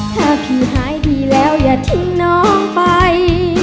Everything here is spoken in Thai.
ถ้าพี่หายดีแล้วอย่าทิ้งน้องไป